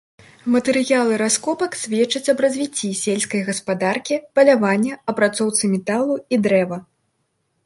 Матэрыялы раскопак сведчаць аб развіцці сельскай гаспадаркі, палявання, апрацоўцы металу і дрэва.